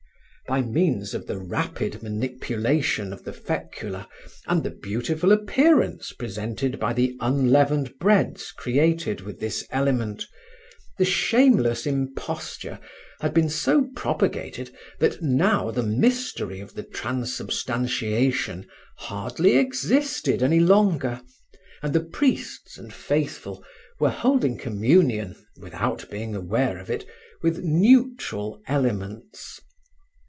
By means of the rapid manipulation of the fecula and the beautiful appearance presented by the unleavened breads created with this element, the shameless imposture had been so propagated that now the mystery of the transubstantiation hardly existed any longer and the priests and faithful were holding communion, without being aware of it, with neutral elements.